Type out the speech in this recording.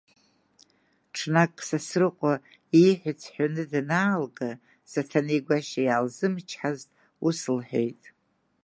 Ҽнак Сасрыҟәа ииҳәац ҳәаны данаалга, Саҭанеи Гәашьа иаалзымчҳазт, ус лҳәеит…